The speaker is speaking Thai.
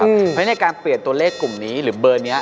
เพราะฉะนั้นในการเปลี่ยนตัวเลขกลุ่มนี้หรือเบอร์นี้